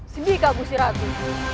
sedihkah kusira aku